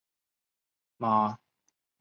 马聚垣遗址的历史年代为马家窑类型。